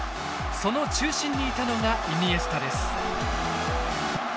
その中心にいたのがイニエスタです。